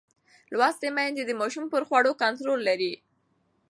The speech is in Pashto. لوستې میندې د ماشوم پر خوړو کنټرول لري.